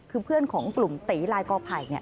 คือเพื่อนของกลุ่มตีลายกอไผ่